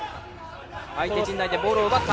相手陣内でボールを奪った。